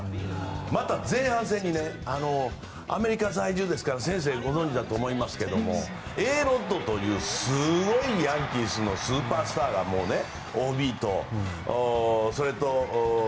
また、前半戦にねアメリカ在住ですから先生ご存じだと思いますけどＡ．ロッドという素晴らしいヤンキースのスーパースターがね、ＯＢの。